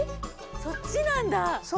そっちなんだ！